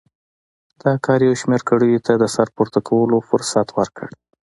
دا کار یو شمېر کړیو ته د سر پورته کولو فرصت ورکړ.